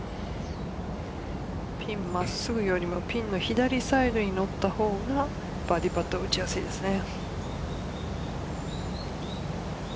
ピン真っすぐよりもピンの左サイドに乗ったほうがバーディーパットは打ちやすいですね。